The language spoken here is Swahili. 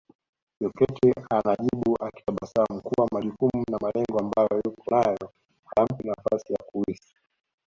Jokate anajibu akitabasamu kuwa majukumu na malengo ambayo yuko nayo hayampi nafasi ya kuhisi